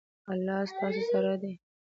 الله ستاسو سره دی